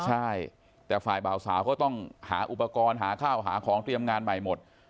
ใช่แต่ฝ่ายบ่าวสาวก็ต้องหาอุปกรณ์หาข้าวหาของเตรียมงานใหม่หมด